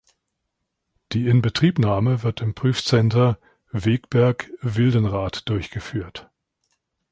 Die Inbetriebnahme wird im Prüfcenter Wegberg-Wildenrath durchgeführt.